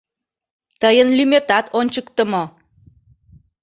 Тыйын лӱметат ончыктымо...